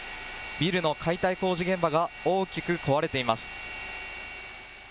ビルの解体工事現場が大きく壊れています。